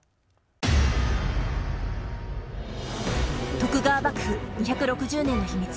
徳川幕府２６０年の秘密。